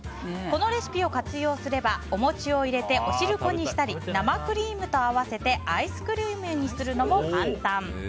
このレシピを活用すればお餅を入れてお汁粉にしたり生クリームと合わせてアイスクリームにするのも簡単。